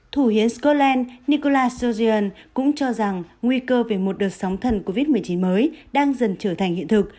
thủ hiến scotland nicola sojian cũng cho rằng nguy cơ về một đợt sóng thần covid một mươi chín mới đang dần trở thành hiện thực